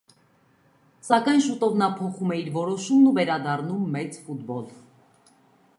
Սակայն շուտով նա փոխում է իր որոշումն ւ վերադառնում մեծ ֆուտբոլ։